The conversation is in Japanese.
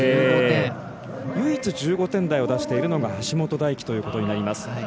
唯一１５点台を出しているのが橋本大輝となります。